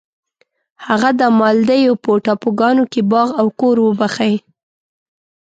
هغه د مالدیو په ټاپوګانو کې باغ او کور وبخښی.